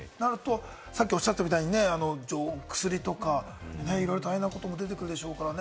さっきおっしゃってたみたいに、お薬とか、いろいろ大変なことも出てくるでしょうからね。